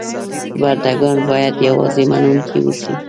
برده ګان باید یوازې منونکي اوسي.